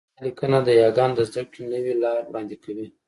دا لیکنه د یاګانو د زده کړې نوې لار وړاندې کوي